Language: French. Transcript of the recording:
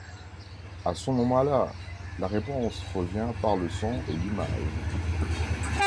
À ce moment-là, la réponse revient par le son et l'image.